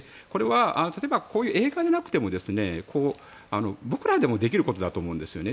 例えばこういう映画じゃなくても僕らでもできることだと思うんですよね。